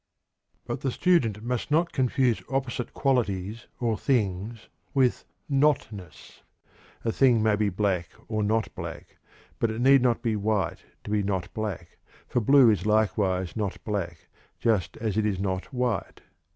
But the student must not confuse opposite qualities or things with "not ness." A thing may be "black" or "not black," but it need not be white to be "not black," for blue is likewise "not black" just as it is "not white."